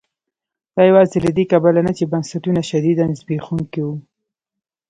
دا یوازې له دې کبله نه چې بنسټونه شدیداً زبېښونکي وو.